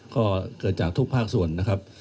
ก็เกิดจากทุกภาคส่วนนะครับ